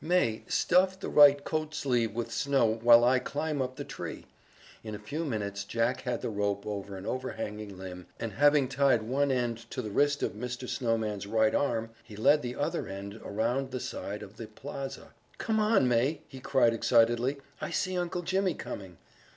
"May, stuff the right coatsleeve with snow, while I climb up the tree." In a few minutes Jack had the rope over an overhanging limb, and having tied one end to the wrist of Mr. Snowman's right arm, he led the other end around the side of the piazza. "Come on, May," he cried excitedly, "I see Uncle Jimmy coming!"